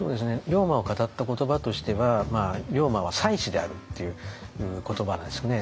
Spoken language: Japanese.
龍馬を語った言葉としては「龍馬は才子である」っていう言葉なんですね。